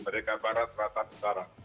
mereka barat rata utara